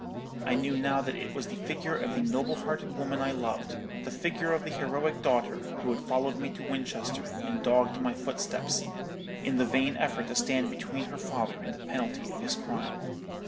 I knew now that it was the figure of the noble hearted woman I loved—the figure of the heroic daughter, who had followed me to Winchester, and dogged my footsteps, in the vain effort to stand between her father and the penalty of his crime.